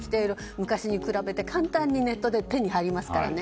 昔に比べて簡単にネットで手に入りますからね。